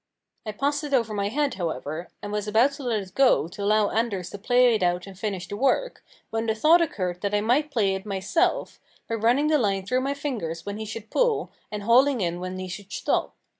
I passed it over my head, however, and was about to let it go to allow Anders to play it out and finish the work, when the thought occurred that I might play it myself, by running the line through my fingers when he should pull, and hauling in when he should stop.